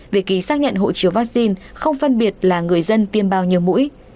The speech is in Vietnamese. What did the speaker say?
việc ký xác nhận hộ chiếu vaccine không phân biệt là người dân tiêm bao nhiêu mũi